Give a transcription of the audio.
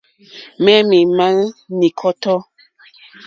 Mɛ̄ mì màá ní kɔ́tɔ́.